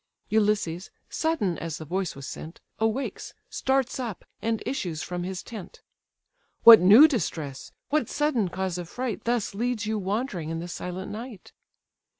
Ulysses, sudden as the voice was sent, Awakes, starts up, and issues from his tent. "What new distress, what sudden cause of fright, Thus leads you wandering in the silent night?"